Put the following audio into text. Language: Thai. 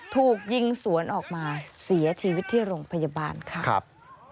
ถูกยิงสวนออกมาเสียชีวิตที่โรงพยาบาลค่ะครับ